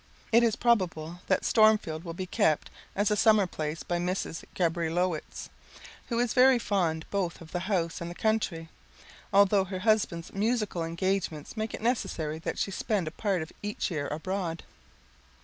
It is probable that Stormfield will be kept as a Summer place by Mrs. Gabrilowitsch, who is very fond both of the house, and the country, although her husband's musical engagements make it necessary that she spend a part of each year abroad.